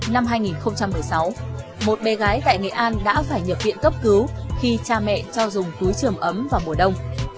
năm hai nghìn một mươi sáu một bé gái tại nghệ an đã phải nhập viện cấp cứu khi cha mẹ cho dùng túi trường ấm vào mùa đông